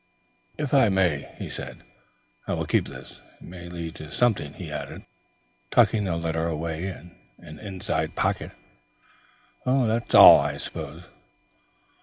"If I may," he said. "I will keep this. It may lead to something," he added, tucking the letter away in an inside pocket. "That's all, I suppose?"